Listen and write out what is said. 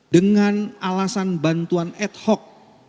dengan alasan bantuan ad hoc